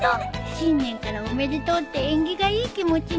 新年からおめでとうって縁起がいい気持ちになるね。